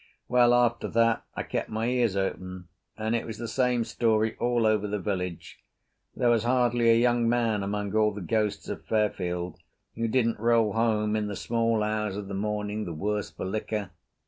Well, after that I kept my ears open, and it was the same story all over the village. There was hardly a young man among all the ghosts of Fairfield who didn't roll home in the small hours of the morning the worse for liquor.